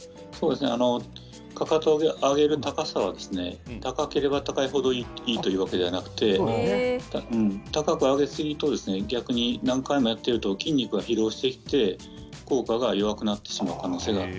かかとを上げる高さは高ければ高い程いいというわけではなくて高く上げすぎると逆に筋肉が疲労してきて効果が弱くなってしまいます。